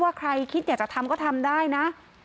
เป็นพระรูปนี้เหมือนเคี้ยวเหมือนกำลังทำปากขมิบท่องกระถาอะไรสักอย่าง